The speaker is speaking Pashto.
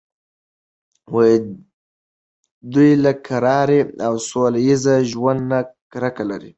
دوی له کرارۍ او سوله ایز ژوند نه کرکه لري.